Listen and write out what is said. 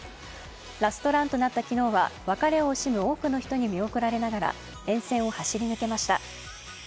ラストランとなった昨日は別れを惜しむ多くの人に見送られながら沿線を走り抜けました。